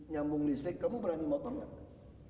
nyambung listrik kamu berani potong nggak